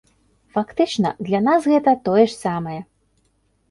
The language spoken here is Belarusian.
Фактычна, для нас гэта тое ж самае.